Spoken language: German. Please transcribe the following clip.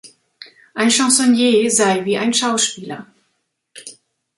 Ein Chansonnier sei wie ein Schauspieler.